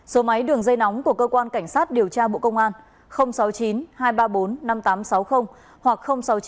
số máy đường dây nóng của cơ quan cảnh sát điều tra bộ công an sáu mươi chín hai trăm ba mươi bốn năm nghìn tám trăm sáu mươi hoặc sáu mươi chín hai trăm ba mươi một một nghìn sáu trăm